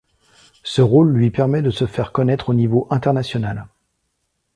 Ce rôle lui permet de se faire connaître au niveau international.